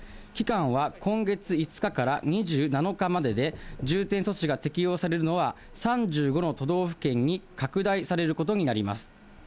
期間は今月５日から２７日までで、重点措置が適用されるのは、３５の都道府県に拡大されることになります。